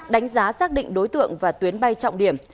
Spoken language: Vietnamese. đánh giá xác định đối tượng và tuyến bay trọng điểm